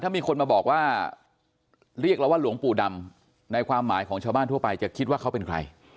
ถ้ามีคนมาบอกว่าเรียกเราว่าหลวงปู่ดำในความหมายของชาวบ้านทั่วไปจะคิดว่าเขาเป็นใคร